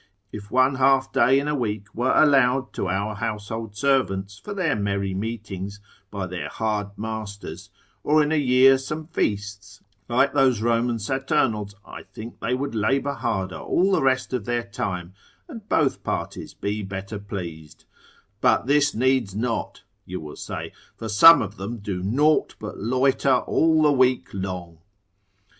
If one half day in a week were allowed to our household servants for their merry meetings, by their hard masters, or in a year some feasts, like those Roman Saturnals, I think they would labour harder all the rest of their time, and both parties be better pleased: but this needs not (you will say), for some of them do nought but loiter all the week long.